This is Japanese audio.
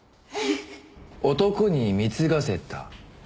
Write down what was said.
男に貢がせた？